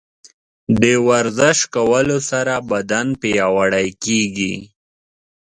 د ورزش کولو سره بدن پیاوړی کیږي.